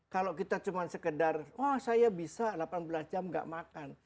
kalau kita cuma sekedar wah saya bisa delapan belas jam gak makan